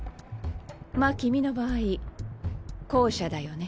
まあ君の場合後者だよね。